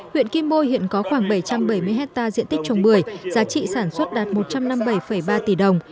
huyện kim bôi hiện có khoảng bảy trăm bảy mươi hectare diện tích trồng bưởi giá trị sản xuất đạt một trăm năm mươi bảy ba tỷ đồng